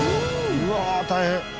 うわあ大変。